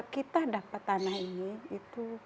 kita dapat tanah ini itu